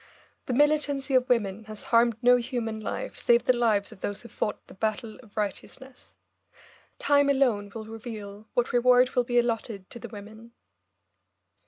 The militancy of women has harmed no human life save the lives of those who fought the battle of righteousness. Time alone will reveal what reward will be allotted to the women.